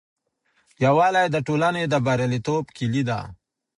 یووالي د ټولني د بریالیتوب کیلي ده.